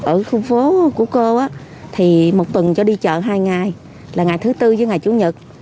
ở khu phố của cô thì một tuần cho đi chợ hai ngày là ngày thứ tư với ngày chủ nhật